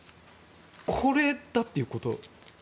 これだっていうこと？